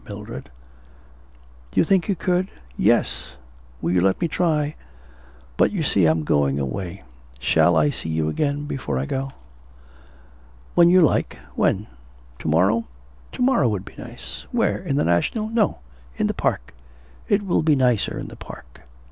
Mildred ' 'Do you think that you could?' 'Yes; will you let me try?' 'But, you see, I'm going away. Shall I see you again before I go?' 'When you like. When? To morrow?' 'To morrow would be nice.' 'Where in the National?' 'No, in the park. It will be nicer in the park.